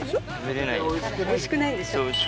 おいしくないんでしょ。